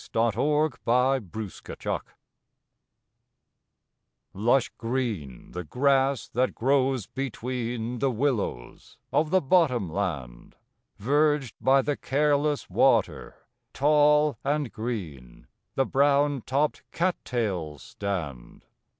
THE WILLOW BOTTOM Lush green the grass that grows between The willows of the bottom land; Verged by the careless water, tall and green, The brown topped cat tails stand.